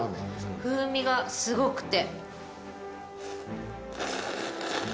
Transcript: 風味がすごくて。